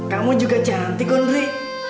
kamu juga cantik ndri